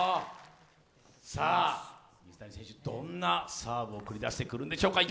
水谷選手、どんなサーブを繰り出してくるんでしょうか。